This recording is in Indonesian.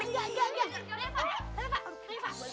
tunggu pak tunggu pak